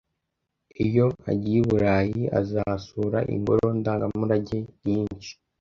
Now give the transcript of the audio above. Iyo agiye i Burayi azasura ingoro ndangamurage nyinshi